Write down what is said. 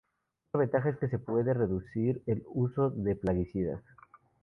Otra ventaja es que se puede reducir el uso de plaguicidas.